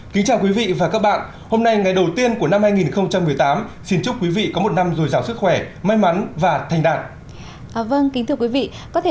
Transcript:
hãy đăng ký kênh để ủng hộ kênh của chúng mình nhé